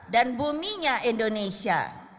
dan buminya indonesia